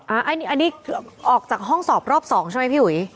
อันนี้ออกจากห้องสอบรอบ๒ใช่ไหมพี่อุ๋ย